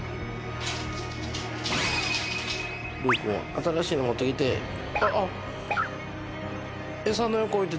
新しいの持ってきてあっ。